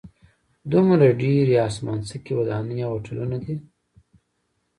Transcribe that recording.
دومره ډېرې اسمانڅکي ودانۍ او هوټلونه دي.